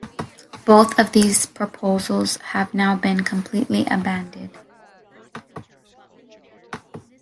Both of these proposals have now been completely abandoned.